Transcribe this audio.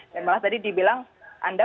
dan malah tadi dibilang anda